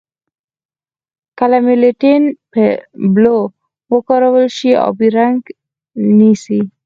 که میتیلین بلو وکارول شي آبي رنګ نیسي.